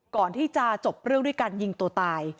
ก่อนที่จะจบเรื่องด้วยการยิงตัวตาย